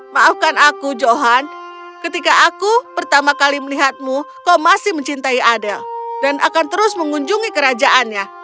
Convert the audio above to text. maafkan aku johan ketika aku pertama kali melihatmu kau masih mencintai adel dan akan terus mengunjungi kerajaannya